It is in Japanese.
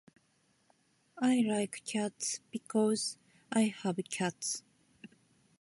I like cats. Because I have cats.